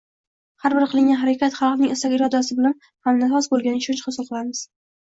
Har bir qilingan harakat xalqning istak-irodasi bilan hamnafas bo‘lganiga ishonch hosil qilamiz.